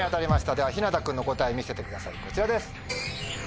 ではひなた君の答え見せてくださいこちらです。